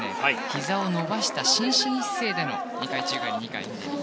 ひざを伸ばした伸身姿勢での２回宙返り２回ひねり。